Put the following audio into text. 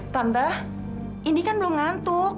tambah ini kan belum ngantuk